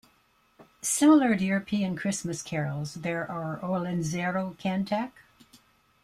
Similar to European Christmas carols, there are "Olentzero kantak".